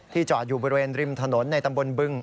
จอดอยู่บริเวณริมถนนในตำบลบึง